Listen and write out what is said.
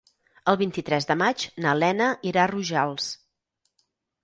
El vint-i-tres de maig na Lena irà a Rojals.